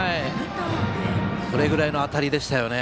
それぐらいの当たりでしたね。